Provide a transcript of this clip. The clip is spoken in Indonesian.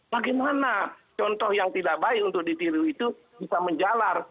bagaimana contoh yang tidak baik untuk ditiru itu bisa menjalar